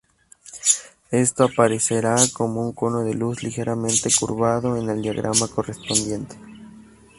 Esto aparecerá como un cono de luz ligeramente curvado en el diagrama correspondiente.